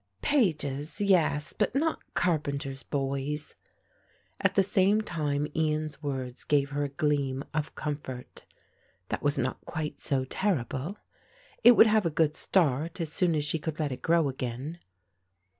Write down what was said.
"Pages, yes, but not carpenters' boys." At the same time Ian's words gave her a gleam of comfort. That was not quite so terrible. It would have a good start as soon as she could let it grow again.